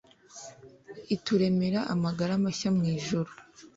ituremera amagara mashya mwijuru